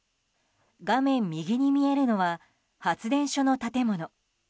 画面右に見えるのは発電所の建物。